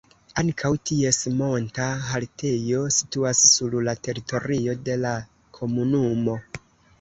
Ankaŭ ties monta haltejo situas sur la teritorio de la komunumo.